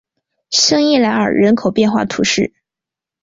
圣伊莱尔人口变化图示